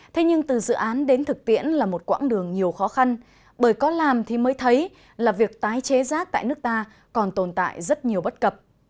thế nhưng từ dự án đến thực tiễn là một quãng đường nhiều khó khăn bởi có làm thì mới thấy là việc tái chế rác tại nước ta còn tồn tại rất nhiều bất cập